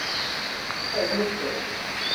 กล้วยและลูกเกด